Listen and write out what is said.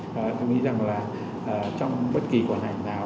tôi nghĩ rằng là trong bất kỳ quản hành nào